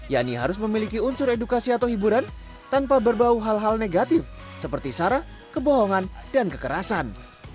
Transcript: yakni harus memiliki unsur edukasi atau hiburan tanpa berbau hal hal negatif seperti sara kebohongan dan kekerasan